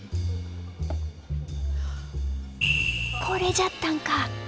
これじゃったんか！